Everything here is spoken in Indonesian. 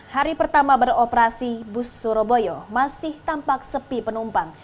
hari pertama beroperasi bus surabaya masih tampak sepi penumpang